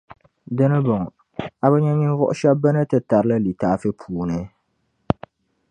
Di ni bɔŋɔ, a bi nya ninvuɣu shεba bɛ ni ti tarli litaafi puuni?